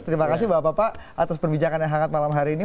terima kasih bapak bapak atas perbincangan yang hangat malam hari ini